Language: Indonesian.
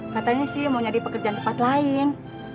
katanya sih mau nyari pekerjaan tempat lain